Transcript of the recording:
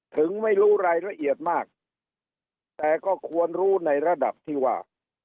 ถึงไม่รู้รายละเอียดมากแต่ก็ควรรู้ในระดับที่ว่า